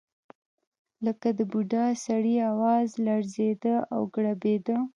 لکه د بوډا سړي اواز لړزېده او ګړبېده.